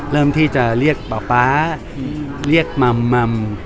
เริ่มที่จะเรียกป๊าป๊าเรียกมัมมัม